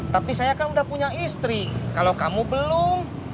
tapi saya kan udah punya istri kalau kamu belum